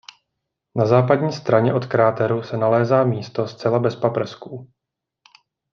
Na západní straně od kráteru se nalézá místo zcela bez paprsků.